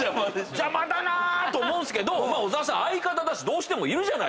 邪魔だな！と思うんすけど相方だしどうしてもいる。